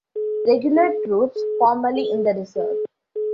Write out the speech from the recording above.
Regular troops, formerly in the Reserve.